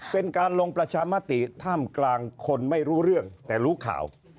เป็นการลงประชามติท่ามกลางคนไม่รู้เรื่องแต่รู้ข่าว